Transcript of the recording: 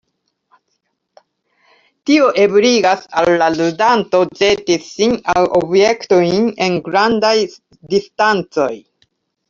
Tio ebligas al la ludanto ĵeti sin aŭ objektojn en grandaj distancoj.